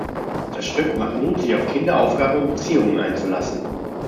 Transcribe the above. Das Stück macht Mut, sich auf Kinder, Aufgaben und Beziehungen einzulassen.